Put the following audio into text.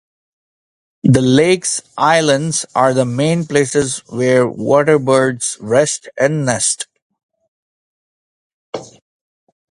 The lake's islands are the main places where waterbirds rest and nest.